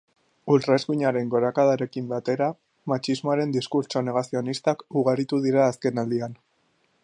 Ultraeskuinaren gorakadarekin batera, matxismoaren diskurtso negazionistak ugaritu dira azkenaldian.